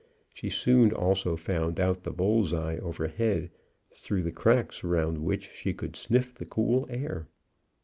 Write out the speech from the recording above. She soon also found out the bull's eye overhead, through the cracks round which she could sniff the cool air.